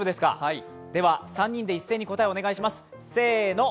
では３人で一斉に答えをお願いします、せーの。